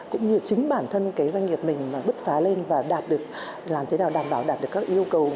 cũng như chính bản thân doanh nghiệp mình bứt phá lên và làm thế nào đảm bảo đạt được các yêu cầu